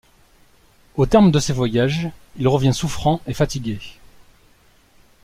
Au terme de ses voyages, il revient souffrant et fatigué.